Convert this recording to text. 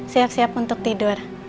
siap siap untuk tidur